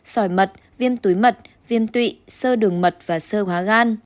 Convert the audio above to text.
sỏi mật viêm túi mật viêm tụy sơ đường mật và sơ hóa gan